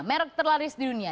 merk terlaris di dunia